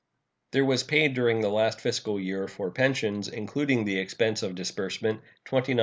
There was paid during the last fiscal year for pensions, including the expense of disbursement, $29,185,289.